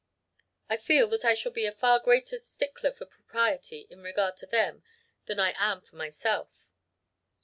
I feel that I shall be a far greater stickler for propriety in regard to them than I am for myself!